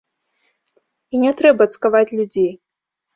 І не трэба цкаваць людзей.